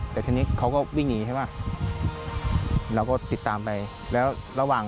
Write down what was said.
แต่ทีนี้เขาก็วิ่งหนีถึงประชิดตั้งแรง